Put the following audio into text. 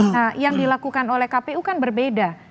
nah yang dilakukan oleh kpu kan berbeda